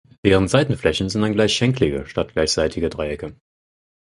Deren Seitenflächen sind dann gleichschenklige statt gleichseitige Dreiecke.